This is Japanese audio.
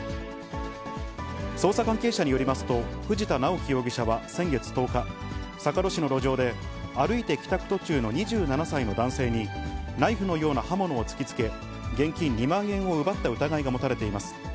捜査関係者によりますと、藤田直樹容疑者は先月１０日、坂戸市の路上で歩いて帰宅途中の２７歳の男性に、ナイフのような刃物を突きつけ、現金２万円を奪った疑いが持たれています。